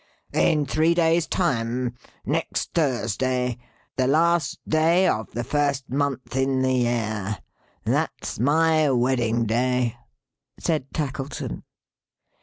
"In three days' time. Next Thursday. The last day of the first month in the year. That's my wedding day," said Tackleton.